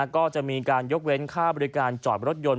ก็จะมีการยกเว้นค่าบริการจอดรถยนต์